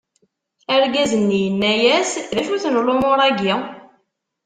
Argaz-nni yenna-as: D acu-ten lumuṛ-agi?